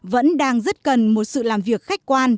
vẫn đang rất cần một sự làm việc khách quan